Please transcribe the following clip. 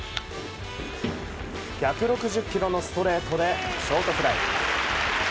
１６０キロのストレートでショートフライ。